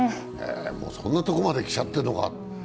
そんなところまできちゃったのか。